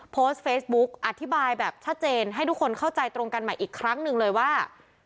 โพสต์เฟซบุ๊กอธิบายแบบชัดเจนให้ทุกคนเข้าใจตรงกันใหม่อีกครั้งหนึ่งเลยว่า